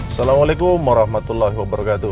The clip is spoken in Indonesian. assalamualaikum warahmatullahi wabarakatuh